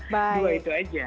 dua itu aja